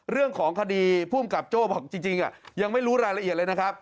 เรื่องของคดีภูมิกับโจ้บอกจริงยังไม่รู้รายละเอียดเลยนะครับ